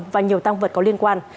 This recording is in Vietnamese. và nhiều tăng vật có liên quan